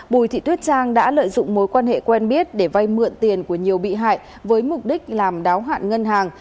bùi thị tuyết trang đã lợi dụng mối quan hệ quen biết để vay mượn tiền của nhiều bị hại với mục đích làm đáo hạn ngân hàng